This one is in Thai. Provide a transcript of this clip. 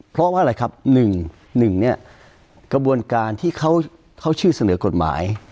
เพราะว่าอะไรครับ๑๑เนี่ยกระบวนการที่เขาชื่อเสนอกฎหมาย